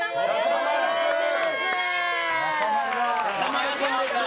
お願いします！